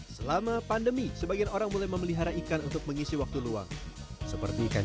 selama pandemi sebagian orang mulai memelihara ikan untuk mengisi waktu luang seperti ikan